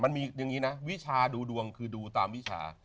มันมีอย่างนี้นะวิชาดูดวงคือดูตามวิชา